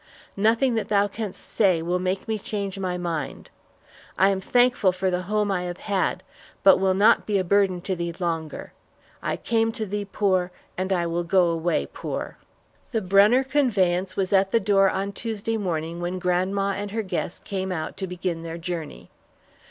Nothing that thou canst say will make me change my mind. I am thankful for the home I have had, but will not be a burden to thee longer. I came to thee poor, and I will go away poor." The Brunner conveyance was at the door on Tuesday morning when grandma and her guest came out to begin their journey.